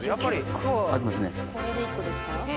これで１個ですか？